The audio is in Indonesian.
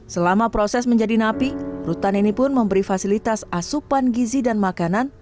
selama proses menjadi napi rutan ini pun memberi fasilitas asupan gizi dan makanan